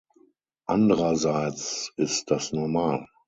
Andererseits ist das normal.